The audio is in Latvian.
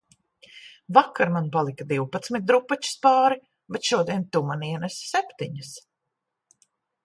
Vakar man palika divpadsmit drupačas pāri, bet šodien tu man ienesi septiņas